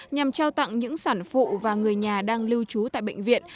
nhằm trao tặng những sản phụ và người nhà đang lưu trú tại bệnh viện